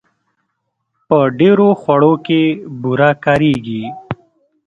په ډېرو خوړو کې بوره کارېږي.